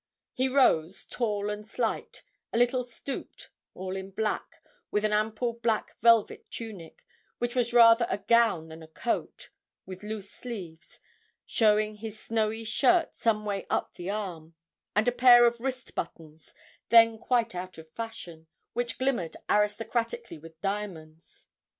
He rose, tall and slight, a little stooped, all in black, with an ample black velvet tunic, which was rather a gown than a coat, with loose sleeves, showing his snowy shirt some way up the arm, and a pair of wrist buttons, then quite out of fashion, which glimmered aristocratically with diamonds.